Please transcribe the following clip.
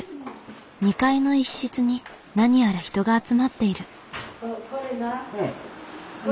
２階の１室に何やら人が集まっている。